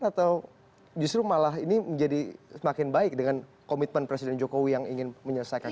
atau justru malah ini menjadi semakin baik dengan komitmen presiden jokowi yang ingin menyelesaikan ini